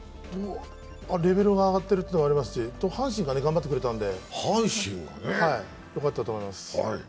レベルが上がってるというのもありましたし阪神が頑張ってくれたんでよかったと思います。